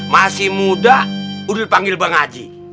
masih muda udah dipanggil bang haji